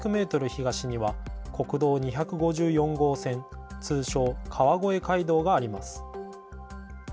東には国道２５４号線、通称、川越街道があります。